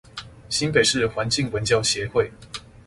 新北市環境文教協會